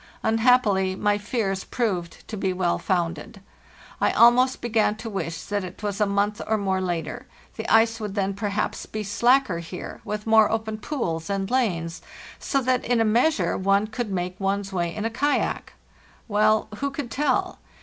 Unhappily my fears proved to be well founded. I almost began to wish that it was a month or more later; the ice would then perhaps be slacker here, with more open pools and lanes, so that in a measure one could make one's way in a kayak. Well, who could tell?